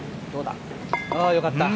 よかった。